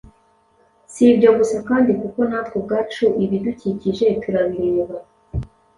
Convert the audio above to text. Si ibyo gusa kandi kuko natwe ubwacu ibidukikije turabireba